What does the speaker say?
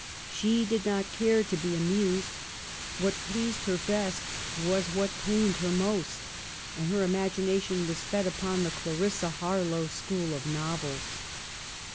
She did not care to be amused. What pleased her best was what pained her most, and her imagination was fed upon the " Clarissa Harlowe " school of novels.